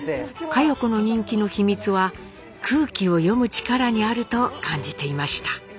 佳代子の人気の秘密は空気を読む力にあると感じていました。